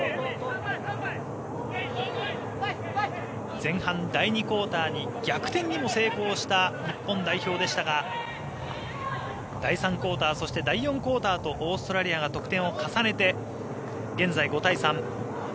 前半第２クオーターに逆転にも成功した日本代表でしたが第３クオーターそして、第４クオーターとオーストラリアが得点を重ねて現在、５対３。